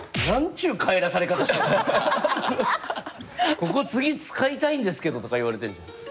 「ここ次使いたいんですけど」とか言われてるじゃん。